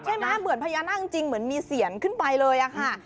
เหมือนพญานาคจริงเหมือนมีเสียนขึ้นไปเลยอะค่ะ